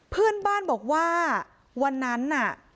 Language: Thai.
เพื่อนบ้านบอกว่าวันนั้นน่ะ